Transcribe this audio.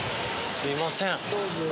すみません。